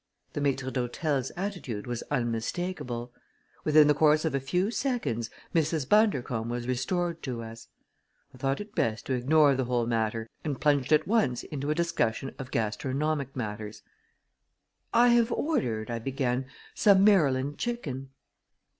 The maître d'hôtel's attitude was unmistakable. Within the course of a few seconds Mrs. Bundercombe was restored to us. I thought it best to ignore the whole matter and plunged at once into a discussion of gastronomic matters. "I have ordered," I began, "some Maryland chicken."